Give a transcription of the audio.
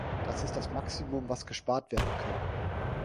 Das ist das Maximum, das gespart werden kann.